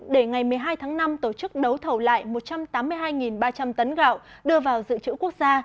để ngày một mươi hai tháng năm tổ chức đấu thầu lại một trăm tám mươi hai ba trăm linh tấn gạo đưa vào dự trữ quốc gia